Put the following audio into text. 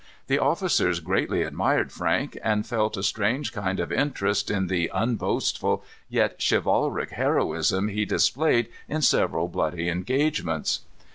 The officers greatly admired Frank, and felt a strange kind of interest in the unboastful yet chivalric heroism he displayed in several bloody engagements.